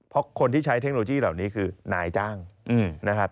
เพราะคนที่ใช้เทคโนโลยีเหล่านี้คือนายจ้างนะครับ